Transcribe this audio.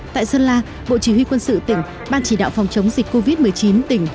tại sơn la bộ chỉ huy quân sự tỉnh ban chỉ đạo phòng chống dịch covid một mươi chín tỉnh